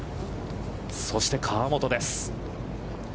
そして、河本です。